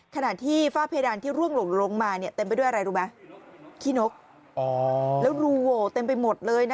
ขณะที่ฝ้าเพดานที่ร่วงหลงมาเต็มไปด้วยอะไรรู้ไหม